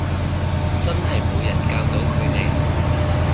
真係冇人教到佢哋